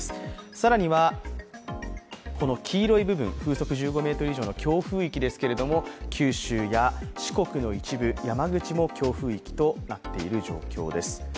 更には黄色い部分、風速１５メートル以上の強風域ですけども九州や四国の一部、山口も強風域となっている状況です。